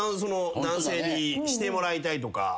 男性にしてもらいたいとか。